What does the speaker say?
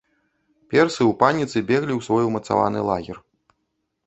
Персы ў паніцы беглі ў свой умацаваны лагер.